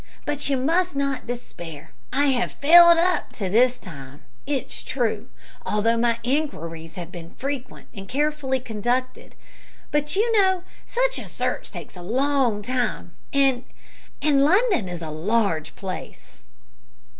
But you must not despair. I have failed up to this time, it is true, although my inquiries have been frequent, and carefully conducted; but you know, such a search takes a long time, and and London is a large place."